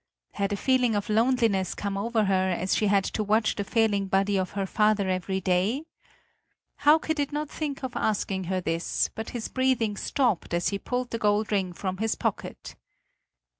Had a feeling of loneliness come over her, as she had to watch the failing body of her father every day? Hauke did not think of asking her this; but his breathing stopped, as he pulled the gold ring from his pocket.